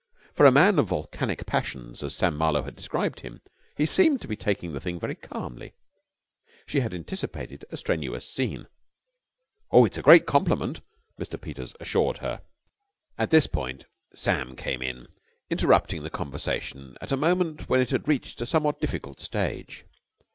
For a man of volcanic passions, as Sam Marlowe had described him, he seemed to be taking the thing very calmly. She had anticipated a strenuous scene. "Oh, it's a great compliment," Mr. Peters assured her. At this point Sam came in, interrupting the conversation at a moment when it had reached a somewhat difficult stage.